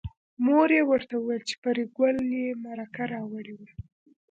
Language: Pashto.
مور یې ورته وویل چې پري ګله مرکه راوړې وه